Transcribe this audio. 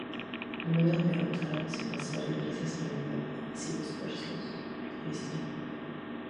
Logra derrotar a los invasores gracias a la llegada de masivos refuerzos cristianos.